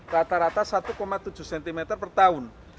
rata rata satu tujuh cm per tahun